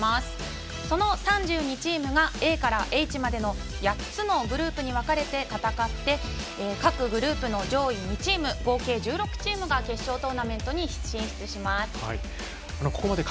その３２チームがＡからＨまでの８つのグループに分かれて戦って各グループの上位２チーム合計１６チームが決勝トーナメントに進出します。